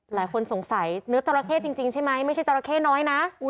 หลายคนสงสัยเนื้อจราเข้จริงใช่ไหมไม่ใช่จราเข้น้อยนะ